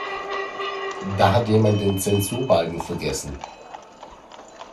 Da hat jemand den Zensurbalken vergessen.